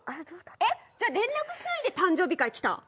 じゃあ連絡しないで誕生日会来た？